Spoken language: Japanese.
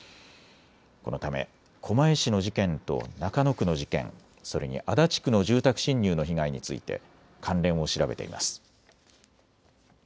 このため狛江市の事件と中野区の事件、それに足立区の住宅侵入の被害について関連を調べています。